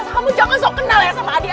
kamu jangan sok kenal ya sama adi